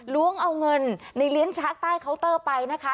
ล้วงเอาเงินในเลี้ยงช้างใต้เคาน์เตอร์ไปนะคะ